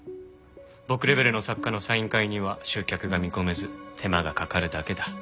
僕レベルの作家のサイン会には集客が見込めず手間がかかるだけだ。